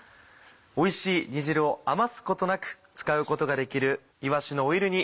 おいしい煮汁を余すことなく使うことができる「いわしのオイル煮」